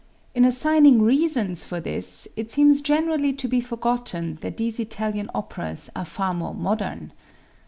In assigning reasons for this it seems generally to be forgotten that these Italian operas are far more modern.